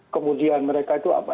kemudian mereka itu apa